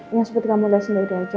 ya seperti kamu lihat sendiri aja